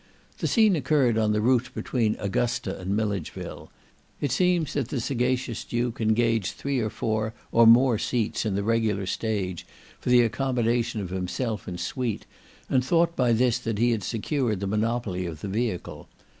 The scene occurred on the route between Augusta and Milledgeville; it seems that the sagacious Duke engaged three or four, or more seats, in the regular stage, for the accommodation of himself and suite, and thought by this that he had secured the monopoly of the vehicle.